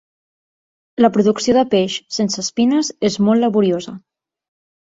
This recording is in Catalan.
La producció de peix sense espines és molt laboriosa.